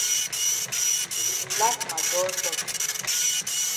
You di laf ma dull tok.